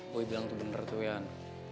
woy bilang itu bener tuh yan